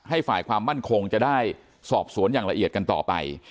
ฝ่ายความมั่นคงจะได้สอบสวนอย่างละเอียดกันต่อไป